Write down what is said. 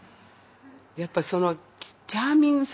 やっぱそのチャーミングさですね。